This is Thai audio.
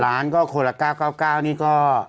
ล้านก็คนละ๙๙นี่ก็